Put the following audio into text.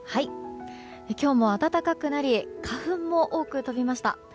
今日も暖かくなり花粉も多く飛びました。